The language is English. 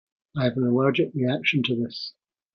I have an allergic reaction to this.